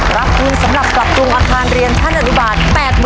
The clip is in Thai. รับทุนสำหรับปรับปรุงอาคารเรียนชั้นอนุบาล๘๐๐๐